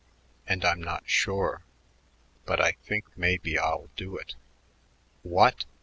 And I'm not sure but I think maybe I'll do it." "What!"